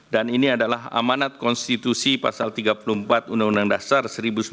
dan ini adalah amanat konstitusi pasal tiga puluh empat undang undang dasar seribu sembilan ratus empat puluh lima